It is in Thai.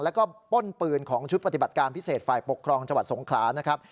แล้วก็ป้นปืนของชุดปฏิบัติการพิเศษฝ่ายปกครองจังหวัดสงขลานะครับ